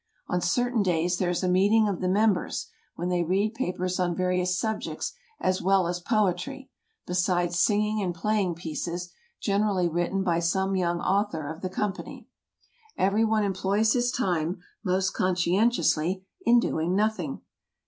On certain days there is a meeting of the mem bers, when they read papers on various subjects as well as poetry, besides singing and playing pieces, generally written by some young author of the company. Every one employs his time, most conscientiously, in doing nothing.